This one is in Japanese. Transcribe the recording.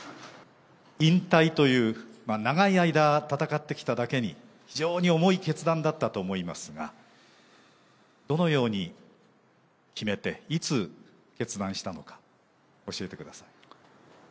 引退という、長い間戦ってきただけに、非常に重い決断だったと思いますが、どのように決めて、いつ決断したのか、教えてください。